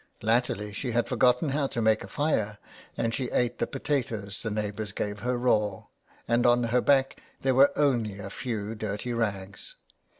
Latterly she had forgotten how to make a fire, and she ate the potatoes the neighbours gave her raw, and on her back there were only a few dirty rags.